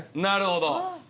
なるほど。